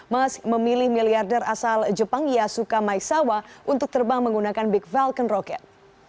musk memilih miliarder asal jepang yasuka maizawa untuk terbang menggunakan big falcon rocket